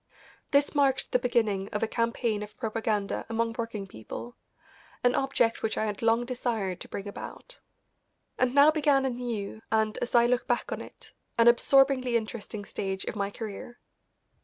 This marked the beginning of a campaign of propaganda among working people, an object which I had long desired to bring about. And now began a new and, as I look back on it, an absorbingly interesting stage of my career.